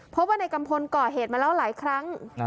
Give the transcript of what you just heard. เพราะว่าในกัมพลก่อเหตุมาแล้วหลายครั้ง